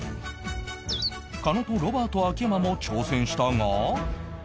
狩野とロバート秋山も挑戦したが